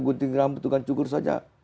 gunting rambut tukang cukur saja